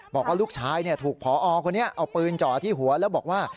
บอกว่าลูกชายถูกพอคนนี้เอาปืนจ่อที่หัวแล้วบอกว่า